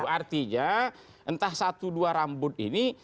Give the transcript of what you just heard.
artinya entah satu dua rambut ini